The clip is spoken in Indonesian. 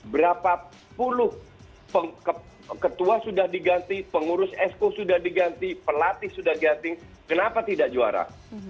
berapa puluh ketua sudah diganti pengurus esko sudah diganti pelatih sudah ganti kenapa tidak juara